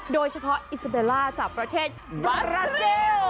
โดยเฉพาะอิสเบลล่าจากประเทศวาราเยล